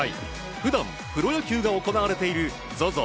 普段、プロ野球が行われているＺＯＺＯ